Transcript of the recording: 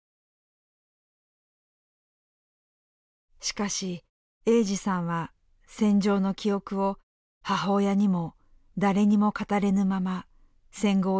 しかし栄司さんは戦場の記憶を母親にも誰にも語れぬまま戦後を生きてきました。